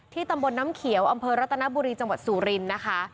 ตำบลน้ำเขียวอำเภอรัตนบุรีจังหวัดสุรินทร์นะคะ